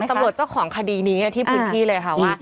คือตำรวจเจ้าของคดีนี้ที่ผู้หญิงที่เลยค่ะว่า